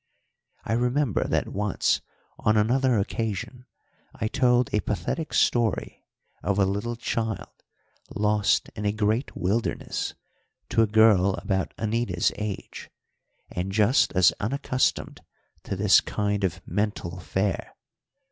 I remember that once on another occasion I told a pathetic story of a little child, lost in a great wilderness, to a girl about Anita's age, and just as unaccustomed to this kind of mental fare.